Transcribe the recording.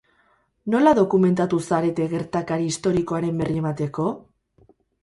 Nola dokumentatu zarete gertakari historikoaren berri emateko?